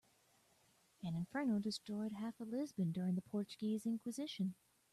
An inferno destroyed half of Lisbon during the Portuguese inquisition.